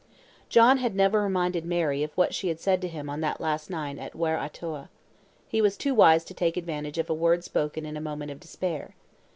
John had never reminded Mary of what she had said to him on that last night at Ware Atoua. He was too wise to take advantage of a word spoken in a moment of despair.